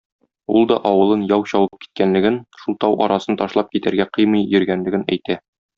Ул да авылын яу чабып киткәнлеген, шул тау арасын ташлап китәргә кыймый йөргәнлеген әйтә.